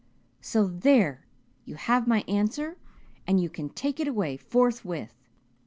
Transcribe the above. So there you have my answer and you can take it away forthwith.'